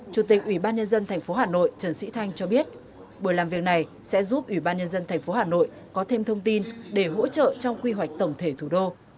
chủ tịch ủy ban nhân dân tp hà nội trần sĩ thanh cho biết buổi làm việc này sẽ giúp ủy ban nhân dân tp hà nội có thêm thông tin để hỗ trợ trong quy hoạch tổng thể thủ đô